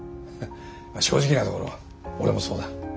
まあ正直なところ俺もそうだ。